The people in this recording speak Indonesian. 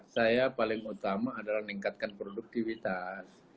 saya paling utama adalah meningkatkan produktivitas